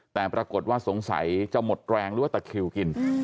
แต่ปรากฏว่าสงสัยจะหมดแรงหรือว่าตะคิวกิน